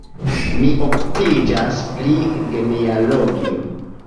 Mi okupiĝas pri genealogio.